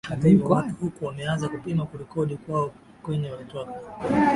hata hivi watu huku wameanza kupima kurudia kwao kwenye walitoka